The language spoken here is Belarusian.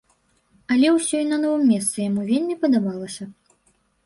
Але ўсё і на новым месцы яму вельмі падабалася.